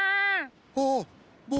あっぼの！